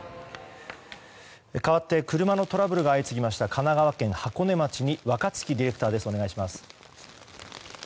かわって車のトラブルが相次ぎました神奈川県箱根町に若槻ディレクターです。